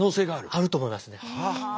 あると思いますね。